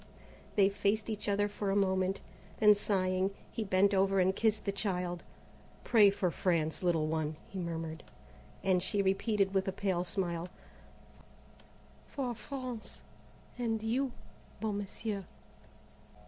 They faced each other for a moment. Then sighing, he bent over and kissed the child. "Pray for France, little one," he murmured, and she repeated with a pale smile: "For France and you, beau Monsieur."